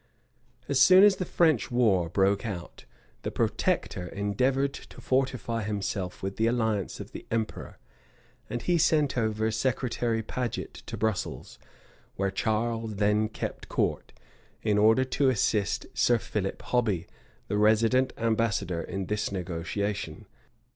As soon as the French war broke out, the protector endeavored to fortify himself with the alliance of the emperor; and he sent over Secretary Paget to Brussels, where Charles then kept court, in order to assist Sir Philip Hobby, the resident ambassador, in this negotiation.